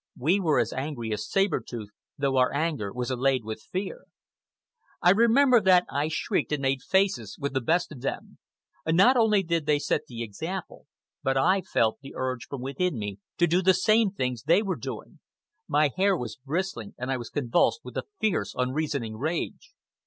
We were as angry as Saber Tooth, though our anger was allied with fear. I remember that I shrieked and made faces with the best of them. Not only did they set the example, but I felt the urge from within me to do the same things they were doing. My hair was bristling, and I was convulsed with a fierce, unreasoning rage.